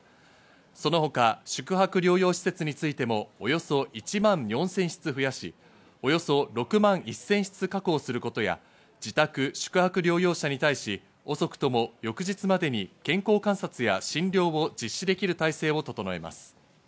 その他、宿泊療養施設についてもおよそ１万４０００室増やしおよそ６万１０００室確保することや、自宅・宿泊療養者に対し、遅くとも翌日までに健康観察や診療を実施できる体制を整えます。